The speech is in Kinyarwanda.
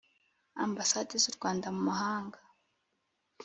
Ambasade z u Rwanda mu mahanga